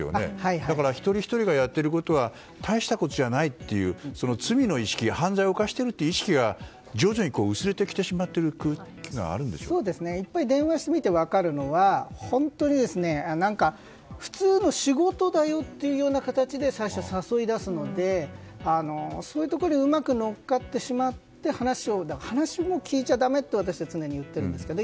だから一人ひとりがやっていることは大したことじゃないという罪の意識、犯罪を犯している意識が徐々に薄れているやっぱり電話してみて分かるのは本当に普通の仕事だよっていうような形で最初誘い出すのでそういうところでうまく乗っかってしまって話も聞いちゃだめと私は言っているんですがね。